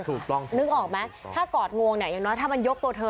ถูกต้องนึกออกไหมถ้ากอดงวงเนี่ยอย่างน้อยถ้ามันยกตัวเธอ